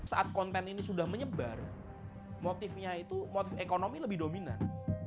saat konten ini sudah menyebar motif ekonomi lebih dominan